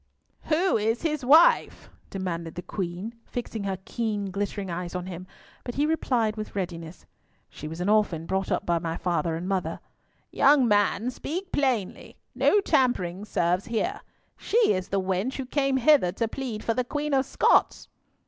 "Who is his wife?" demanded the Queen, fixing her keen glittering eyes on him, but he replied with readiness. "She was an orphan brought up by my father and mother." "Young man, speak plainly. No tampering serves here. She is the wench who came hither to plead for the Queen of Scots."